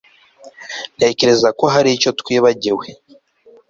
Ntekereza ko hari icyo twibagiwe